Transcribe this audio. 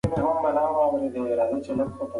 د نجونو تعليم د ټولنې ګډې پرېکړې پياوړې کوي.